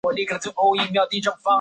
但有报导指出内容属真实。